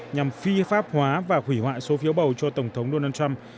nhằm phi pháp hóa và hủy hoại số phiếu bầu cho tổng thống donald trump